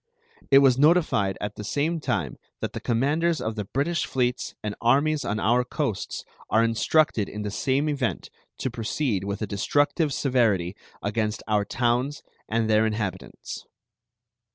It was notified at the same time that the commanders of the British fleets and armies on our coasts are instructed in the same event to proceed with a destructive severity against our towns and their inhabitants.